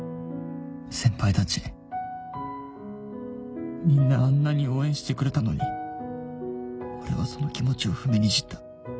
先輩たちみんなあんなに応援してくれたのに俺はその気持ちを踏みにじった。